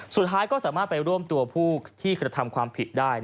สุดท้ายก็สามารถไปร่วมตัวผู้ที่กระทำความผิดได้